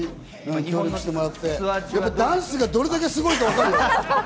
ダンスがどれだけすごいか分かるよね。